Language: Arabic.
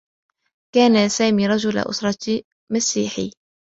كان سامي رجل أسرة مسيحي.